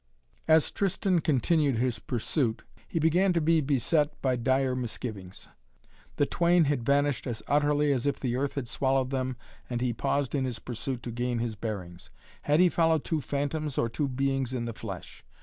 As Tristan continued in his pursuit, he began to be beset by dire misgivings. The twain had vanished as utterly as if the earth had swallowed them and he paused in his pursuit to gain his bearings. Had he followed two phantoms or two beings in the flesh?